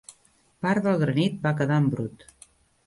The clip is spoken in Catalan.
Part del granit va quedar en brut.